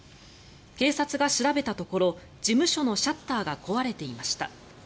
警察が調べたところ事務所のシャッターが壊れていました。